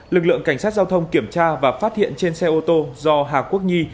lực lượng cảnh sát giao thông kiểm tra và phát hiện trên xe ô tô do hà quốc nhi